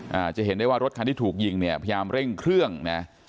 จะเห็นได้ว่ารถคันที่ถูกยิงเนี่ยพยายามเร่งเครื่องนะ